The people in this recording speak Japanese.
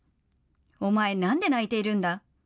お前、なんで泣いているんだ？